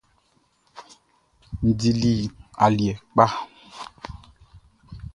N dili aliɛ kpa.